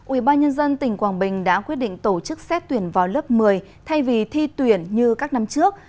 ubnd tỉnh quảng bình đã quyết định tổ chức xét tuyển vào lớp một mươi thay vì thi tuyển như các năm trước